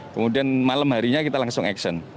kemudian malam harinya kita langsung action